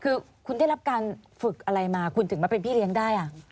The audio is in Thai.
คือคุณได้รับการฝึกอะไรมาคุณถึงมาเป็นพี่เลี้ยงได้